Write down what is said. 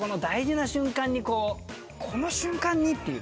この瞬間に⁉っていう。